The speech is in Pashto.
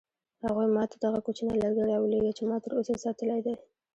هغوی ما ته دغه کوچنی لرګی راولېږه چې ما تر اوسه ساتلی دی.